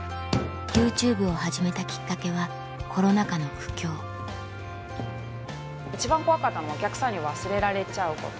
ＹｏｕＴｕｂｅを始めたきっかけはコロナ禍の苦境一番怖かったのはお客さんに忘れられちゃうこと。